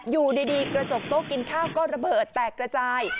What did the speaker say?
อยู่ดีกระจกโต๊ะกินข้าวก็ระเบิดแตกระจาย